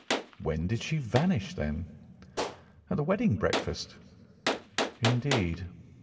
"When did she vanish, then?" "At the wedding breakfast." "Indeed.